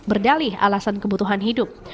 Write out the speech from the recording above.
berdalih alasan kebutuhan hidup